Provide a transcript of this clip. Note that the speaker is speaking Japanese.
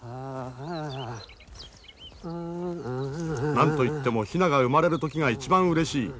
何と言ってもヒナが生まれる時が一番うれしい。